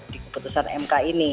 di keputusan mk ini